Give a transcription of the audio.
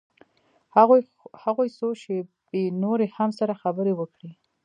هغوى څو شېبې نورې هم سره خبرې وکړې.